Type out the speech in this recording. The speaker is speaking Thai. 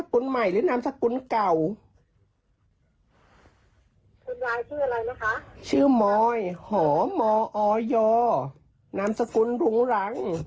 ค่ะคุณบนรุงรังถูกมั้ยคะ